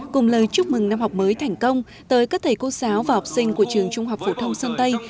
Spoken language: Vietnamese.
cùng lời chúc mừng năm học mới thành công tới các thầy cô giáo và học sinh của trường trung học phổ thông sơn tây